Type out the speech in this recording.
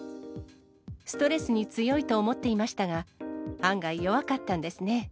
ストレスに強いと思っていましたが、案外弱かったんですね。